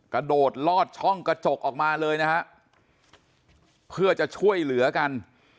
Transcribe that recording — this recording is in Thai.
กระโดดลอดช่องกระจกออกมาเลยนะฮะเพื่อจะช่วยเหลือกัน